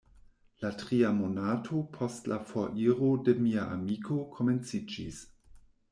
La tria monato post la foriro de mia amiko komenciĝis.